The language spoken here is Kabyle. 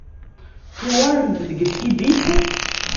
Tuɣalemt-d deg Tibet?